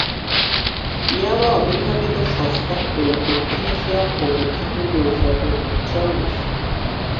ইয়াবা অপেক্ষাকৃত সস্তা এবং দক্ষিণ এশিয়া ও দক্ষিণ-পূর্ব এশিয়াতে এর চল বেশি।